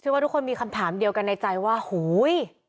ว่าทุกคนมีคำถามเดียวกันในใจว่าโหย